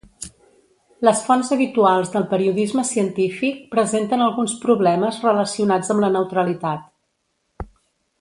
Les fonts habituals del periodisme científic presenten alguns problemes relacionats amb la neutralitat.